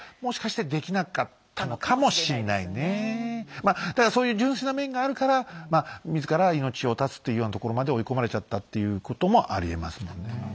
まあだからそういう純粋な面があるから自ら命を絶つっていうようなところまで追い込まれちゃったっていうこともありえますもんね。